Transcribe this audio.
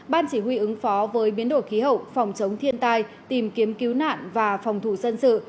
ban chỉ huy ứng phó với biến đổi khí hậu phòng chống thiên tai tìm kiếm cứu nạn và phòng thủ dân sự